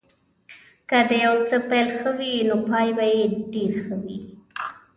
که د یو څه پيل ښه وي نو پای به یې ډېر ښه وي.